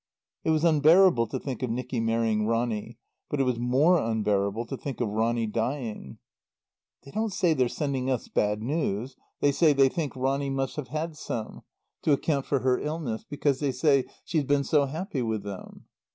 (It was unbearable to think of Nicky marrying Ronny; but it was more unbearable to think of Ronny dying.) "They don't say they're sending us bad news; they say they think Ronny must have had some. To account for her illness. Because they say she's been so happy with them."